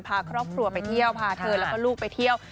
พาครอบครัวไปเที่ยวพาเธอแล้วก็ลูกไปเที่ยว